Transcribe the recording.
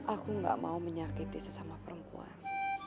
aku gak mau menyakiti sesama perempuan